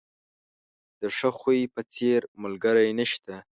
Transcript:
د ښه خوی په څېر، ملګری نشته.